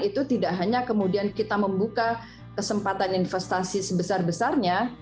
itu tidak hanya kemudian kita membuka kesempatan investasi sebesar besarnya